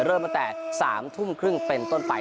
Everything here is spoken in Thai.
เริ่มตั้งแต่๓ทุ่มครึ่งเป็นต้นไป